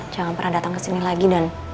jangan pernah datang kesini lagi dan